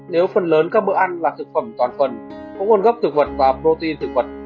nếu phần lớn các bữa ăn là thực phẩm toàn phần có nguồn gốc thực vật và protein thực vật